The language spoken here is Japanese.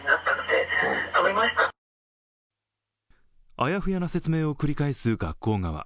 あやふやな説明を繰り返す学校側。